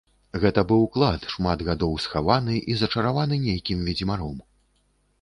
Гэта быў клад, шмат гадоў схаваны і зачараваны нейкім ведзьмаром.